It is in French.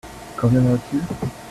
Quand viendra-t-il ?